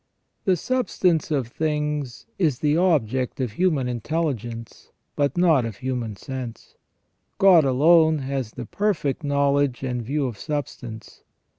The substance of things is the object of human intelligence, but not of human sense. God alone has the perfect knowledge and view of substance.